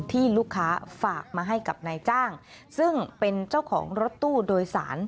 ที่ลูกค้าฝากมาให้กับนายจ้างซึ่งเป็นเจ้าของรถตู้โดยสาร